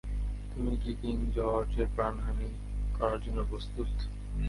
তুমি কি কিং জর্জের প্রাণহানি করার জন্য প্রস্তুত?